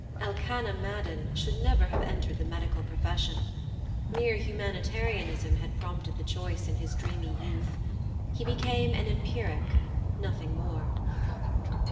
Elkanah Madden should never have entered the medical profession; mere humanitarianism had prompted the choice in his dreamy youth; he became an empiric, nothing more.